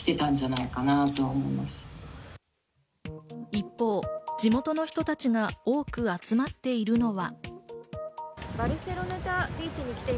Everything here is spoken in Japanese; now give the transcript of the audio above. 一方、地元の人たちが多く集まっているのは。